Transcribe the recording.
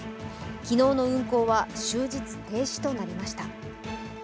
昨日の運行は終日停止となりました。